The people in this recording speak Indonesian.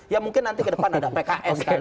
ya mungkin nanti ke depan ada pks kan